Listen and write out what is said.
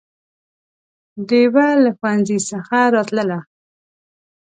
ډېوه له ښوونځي څخه راتلله